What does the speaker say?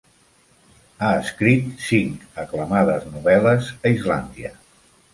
Ha escrit cinc aclamades novel·les a Islàndia.